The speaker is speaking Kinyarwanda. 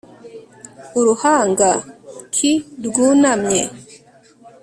Uruhanga k rwunamye